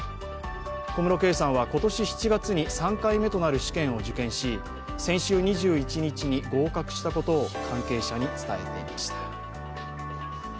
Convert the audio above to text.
小室圭さんは今年７月に３回目となる試験を受験し先週２１日に合格したことを関係者に伝えていました。